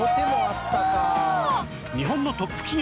日本のトップ企業